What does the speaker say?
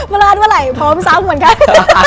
ประลาดเวลาพร้อมซ้ำเหมือนกัน